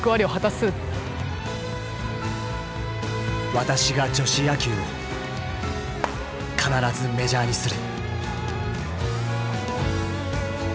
わたしが女子野球を必ずメジャーにする！